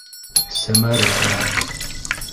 Сәмәрә...